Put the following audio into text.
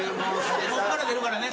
こっから出るからね。